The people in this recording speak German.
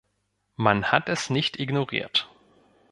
Man hat es nicht ignoriert.